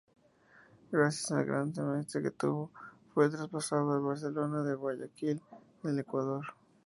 Gracias al gran semestre que tuvo, fue traspasado al Barcelona de Guayaquil del Ecuador.